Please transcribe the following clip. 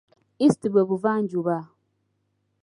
East bwe Buvanjuba